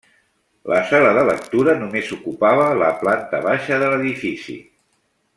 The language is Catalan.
La sala de lectura només ocupava la planta baixa de l'edifici.